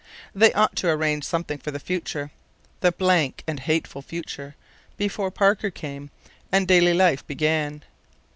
They ought to arrange something for the future the blank and hateful future before Parker came, and daily life began.